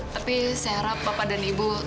tapi saya harap bapak dan ibu